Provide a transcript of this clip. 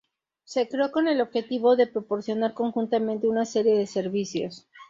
Se creó con el objetivo de proporcionar conjuntamente una serie de servicios.